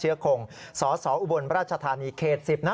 เชื้อคงสสออุบลราชธานีเขต๑๐นะ